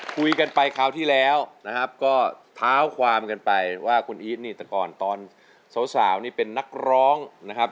คุยกันไปคราวที่แล้วนะครับก็เท้าความกันไปว่าคุณอีทนี่แต่ก่อนตอนสาวนี่เป็นนักร้องนะครับ